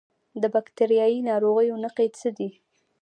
د باکتریایي ناروغیو نښې څه دي؟